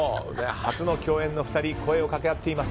初の共演の２人声を掛け合っています。